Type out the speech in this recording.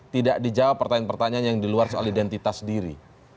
tidak dijawab pertanyaan pertanyaan yang di luar soal identitas diri